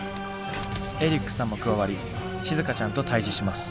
エリックさんも加わりしずかちゃんと対じします。